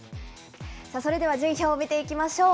それでは順位表を見ていきましょう。